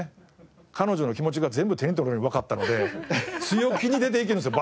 彼女の気持ちが全部手に取るようにわかったので強気に出ていけるんですよ